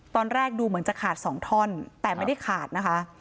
ตอนแรกดูเหมือนจะขาดสองท่อนแต่ไม่ได้ขาดนะคะ